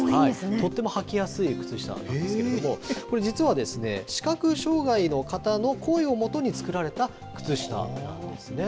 とっても履きやすい靴下なんですけれども、これ実は、視覚障害の方の声をもとに作られた靴下なんですね。